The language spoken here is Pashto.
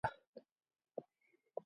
ټولنیز اړیکې د ژوند د جوړولو یوه برخه ده.